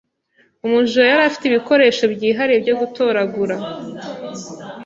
Umujura yari afite ibikoresho byihariye byo gutoragura.